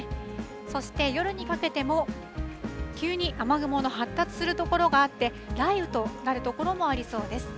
そして夜にかけても、急に雨雲の発達する所があって、雷雨となる所もありそうです。